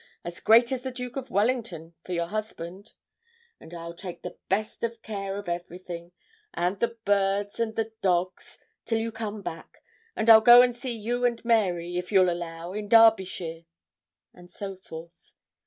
as great as the Duke of Wellington, for your husband; and I'll take the best of care of everything, and the birds and the dogs, till you come back; and I'll go and see you and Mary, if you'll allow, in Derbyshire;' and so forth.